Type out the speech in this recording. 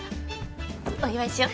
お祝いしよう。